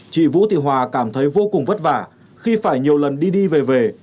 chị vũ thị hòa cảm thấy vô cùng vất vả khi phải nhiều lần đi đi về về